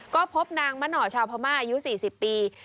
ก็พบนางมะหน่อชาวพม่าอายุ๔๐ปี